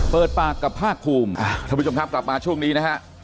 เปิดปากกับภาคภูมิท่านผู้ชมครับกลับมาช่วงนี้นะฮะ